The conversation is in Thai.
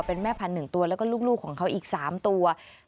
เป็นแม่พันธุ์๑ตัวแล้วก็ลูกของเขาอีก๓ตัว